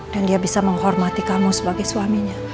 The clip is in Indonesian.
dan dia bisa menghormati kamu sebagai suaminya